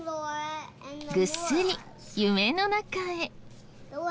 ぐっすり夢の中へ。